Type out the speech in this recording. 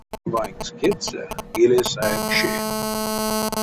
А ванькс кедьсэ иля сае кши.